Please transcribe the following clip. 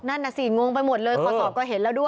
นั่นน่ะสิงงไปหมดเลยขอสอบก็เห็นแล้วด้วย